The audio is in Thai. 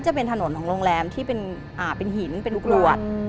ก็จะเป็นถนนของโรงแรมที่เป็นอ่าเป็นหินเป็นลูกรวดอืม